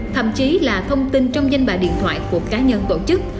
thậm chí là thông tin trong danh bà điện thoại của cá nhân tổ chức